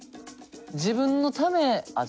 自分のためあっ